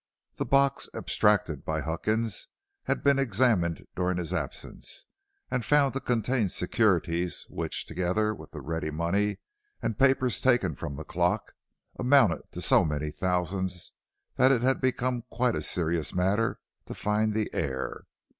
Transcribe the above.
The box abstracted by Huckins had been examined during his absence and found to contain securities, which, together with the ready money and papers taken from the clock, amounted to so many thousands that it had become quite a serious matter to find the heir.